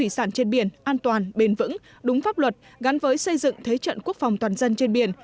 sản trên biển an toàn bền vững đúng pháp luật gắn với xây dựng thế trận quốc phòng toàn dân trên biển